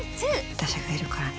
私がいるからね。